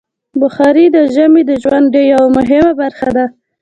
بخاري د ژمي د ژوند یوه مهمه برخه ده.